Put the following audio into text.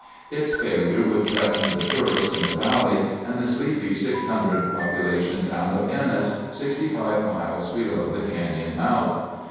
Its failure would threaten the tourists in the valley, and the sleepy 600 population town of Ennis, 65 miles below the canyon mouth.